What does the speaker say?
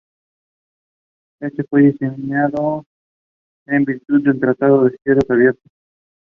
Este fue diseñado en virtud del 'Tratado de Cielos Abiertos'.